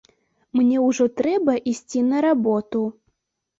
Мне ўжо трэба ісці на работу.